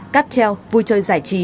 cáp treo vui chơi giải trí